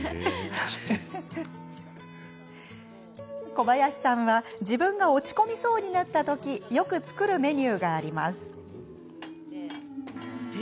小林さんは自分が落ち込みそうになった時よく作るメニューがあります。